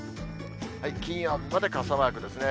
金曜日まで傘マークですね。